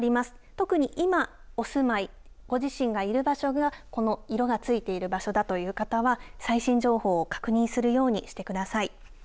特に今、お住まい、ご自身がいる場所が、この色がついている場所だという方は、最新情報を確認するようにしてください。